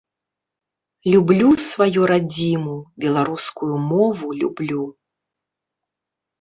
Люблю сваю радзіму, беларускую мову люблю.